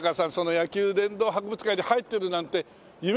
野球殿堂博物館に入ってるなんて夢ですよね。